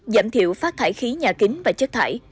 giảm thiểu phát thải khí nhà kính và chất thải